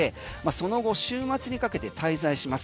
その後週末にかけて滞在します。